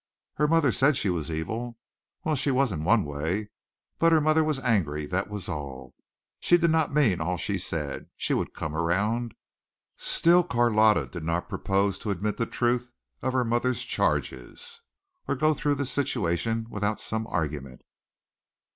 Her mother said she was evil. Well, she was in one way; but her mother was angry, that was all. She did not mean all she said. She would come round. Still Carlotta did not propose to admit the truth of her mother's charges or to go through this situation without some argument.